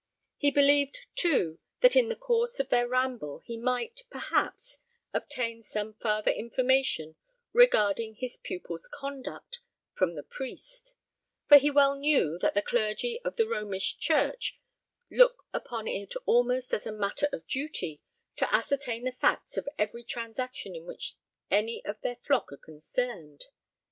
He believed, too, that in the course of their ramble he might, perhaps, obtain some farther information regarding his pupil's conduct from the priest; for he well knew that the clergy of the Romish church look upon it almost as a matter of duty to ascertain the facts of every transaction in which any of their flock are concerned.